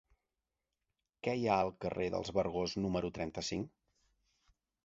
Què hi ha al carrer dels Vergós número trenta-cinc?